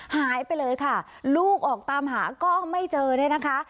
หายไปเลยค่ะลูกออกตามหาก็ไม่เจอเนี่ยนะคะ